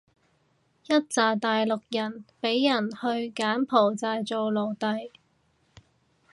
一柞大陸人畀人去柬埔寨做奴隸